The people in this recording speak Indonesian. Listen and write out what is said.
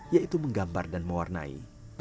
yaitu menggambar dan mewarnai